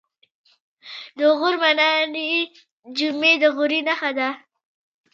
د غور منارې جمعې د غوري نښه ده